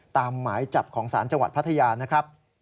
หมายจับของศาลจังหวัดพัทยานะครับ